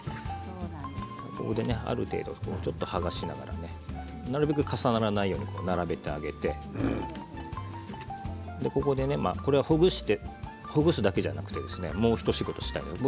ある程度ここで剥がしながらなるべく重ならないように並べてあげてこれはほぐすだけじゃなくてもう一仕事します。